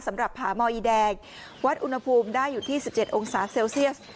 สำหรับผามอีแดงวัดอุณหภูมิได้อยู่ที่สิบเจ็ดองศาเซลเซียส